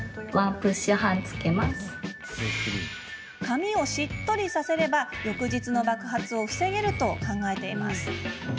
髪をしっとりさせれば翌日の爆発を防げると考えています。